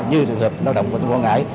như trường hợp lao động của quốc ngãi